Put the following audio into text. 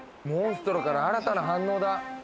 モンストロから新たな反応だ！